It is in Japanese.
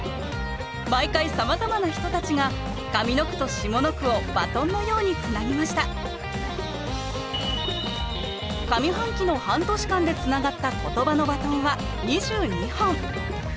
毎回さまざまな人たちが上の句と下の句をバトンのようにつなぎました上半期の半年間でつながったことばのバトンは２２本。